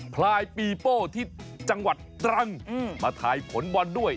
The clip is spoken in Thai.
พลายปีโป้ที่จังหวัดตรังมาทายผลบอลด้วย